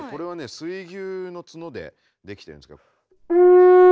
水牛の角でできてるんですけど。